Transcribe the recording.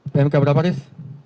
pmk berapa riz